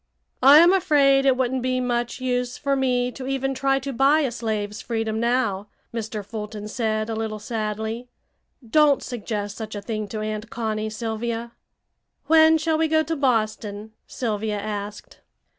"I am afraid it wouldn't be much use for me to even try to buy a slave's freedom now," Mr. Fulton said a little sadly. "Don't suggest such a thing to Aunt Connie, Sylvia." "When shall we go to Boston?" Sylvia asked.